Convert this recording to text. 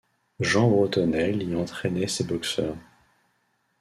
Jean Bretonnel y entrainait ses boxeurs.